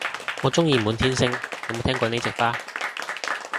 我鍾意滿天星，有冇聽過呢隻花